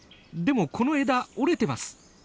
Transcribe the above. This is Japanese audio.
でもこの枝折れてます。